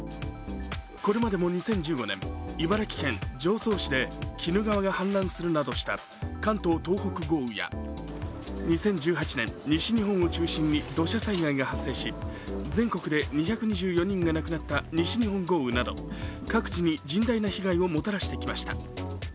これまでも２０１５年茨城県常総市で鬼怒川が氾濫するなどした関東・東北豪雨や２０１８年、西日本を中心に土砂災害が発生し全国で２２４人が亡くなった西日本豪雨など各地に甚大な被害をもたらしてきました。